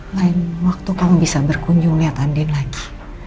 lain waktu kamu bisa berkunjung lihat andin lagi